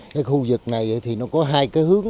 cái khu vực này thì nó có hai cái hướng